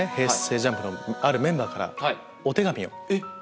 ＪＵＭＰのあるメンバーから。